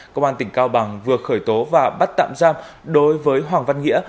công an tỉnh cao bằng vừa khởi tố và bắt tạm giam đối với hoàng văn nghĩa